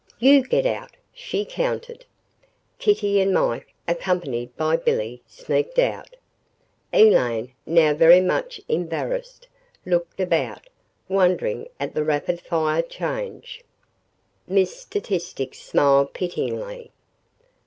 "YOU get out!" she countered. Kitty and Mike, accompanied by Billy, sneaked out. Elaine, now very much embarrassed, looked about, wondering at the rapid fire change. Miss Statistix smiled pityingly.